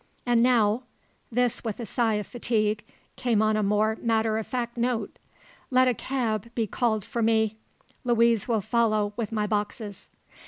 And now," this, with a sigh of fatigue, came on a more matter of fact note "let a cab be called for me. Louise will follow with my boxes."